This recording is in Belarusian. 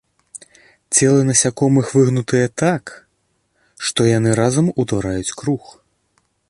Целы насякомых выгнутыя так, што яны разам утвараюць круг.